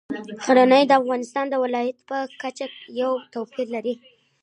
غزني د افغانستان د ولایاتو په کچه یو توپیر لري.